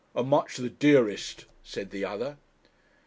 'And much the dearest,' said the other.